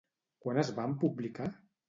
Quan es van publicar?